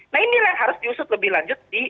nah inilah yang harus diusut lebih lanjut